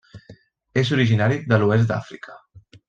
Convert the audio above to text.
És originari de l'oest d'Àfrica.